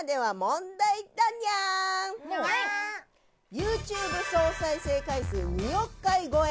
ＹｏｕＴｕｂｅ総再生回数２億回超え。